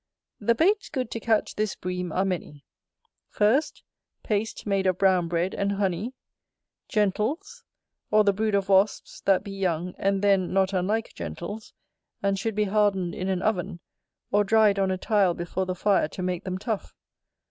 The baits good to catch this Bream are many. First, paste made of brown bread and honey; gentles; or the brood of wasps that be young, and then not unlike gentles, and should be hardened in an oven, or dried on a tile before the fire to make them tough.